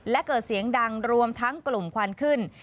และเกิดเสียงดังรวมทั้งกลุ่มควันขึ้น